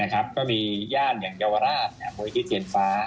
ก็มีย่านอย่างเยาวราชมูลนิธิเทียนฟ้า